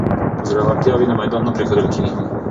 که زړورتیا وي نو میدان نه پریښودل کیږي.